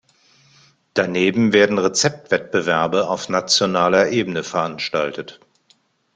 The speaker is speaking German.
Daneben werden Rezept-Wettbewerbe auf nationaler Ebene veranstaltet.